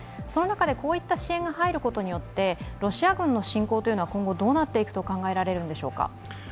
その中でこういった支援が入ることによって、ロシア軍の侵攻は今後どうなっていくと考えられるんでしょうか？